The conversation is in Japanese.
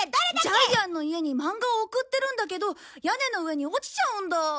ジャイアンの家にマンガを送ってるんだけど屋根の上に落ちちゃうんだ。